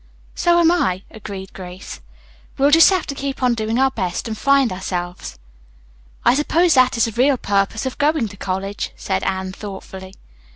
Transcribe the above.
"So am I," agreed Grace. "We'll just have to keep on doing our best and find ourselves." "I suppose that is the real purpose of going to college," said Anne thoughtfully.